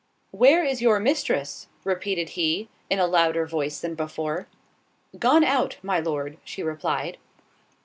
"Where is your mistress?" repeated he, in a louder voice than before. "Gone out, my Lord," she replied.